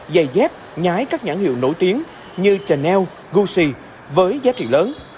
giày dép nhái các nhãn hiệu nổi tiếng như chanel gucci với giá trị lớn